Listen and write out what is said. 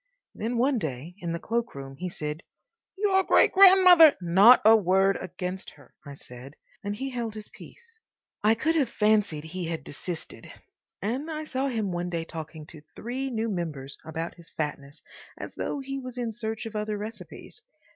Then one day in the cloakroom he said, "Your great grandmother—" "Not a word against her," I said; and he held his peace. I could have fancied he had desisted, and I saw him one day talking to three new members about his fatness as though he was in search of other recipes.